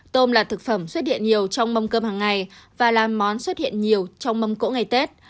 tôm là thực phẩm xuất hiện nhiều trong mâm cơm hàng ngày và là món xuất hiện nhiều trong mâm cỗ ngày tết